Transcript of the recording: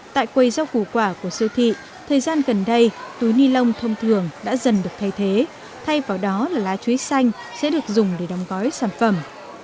tại quầy rau củ quả của siêu thị thời gian gần đây túi ni lông thông thường đã dần được thay thế thay vào đó là lá chuối xanh sẽ được dùng để đóng gói sản phẩm